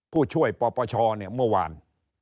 ผู้ช่วยปปชเนี่ยเมื่อวาน